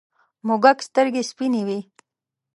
موږک سترگې سپینې وې.